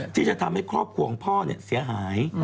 ที่จะทำให้ครอบครัวของพ่อเสียหาย